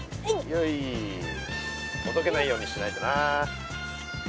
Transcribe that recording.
よいほどけないようにしないとな。